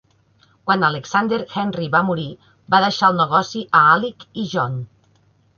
Quan Alexander Henry va morir, va deixar el negoci a Alick i John.